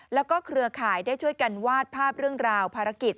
แล้วก็เครือข่ายได้ช่วยกันวาดภาพเรื่องราวภารกิจ